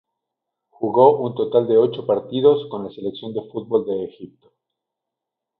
Jugó un total de ocho partidos con la selección de fútbol de Egipto.